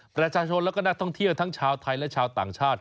ประชาชนและก็นักท่องเที่ยวทั้งชาวไทยและชาวต่างชาติ